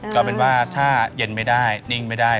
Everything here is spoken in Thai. ก็เป็นว่าถ้าเย็นไม่ได้นิ่งไม่ได้